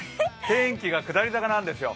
天気が下り坂なんですよ。